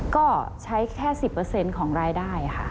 ก็ใช้แค่๑๐ของรายได้ค่ะ